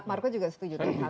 marco juga setuju dengan hal ini